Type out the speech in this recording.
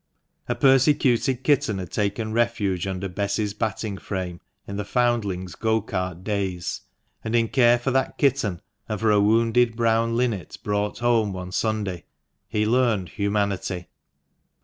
A persecuted kitten had taken refuge under Bess's batting frame in the foundling's go cart days, and in care for that kitten, and for a wounded brown linnet brought home one Sunday, he learned humanity.